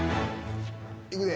いくで。